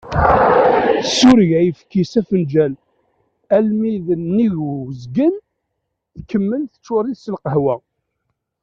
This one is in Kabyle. Tessureg ayefki s afenǧal almi d nnig n uzgen, tkemmel teččur-it s lqawa.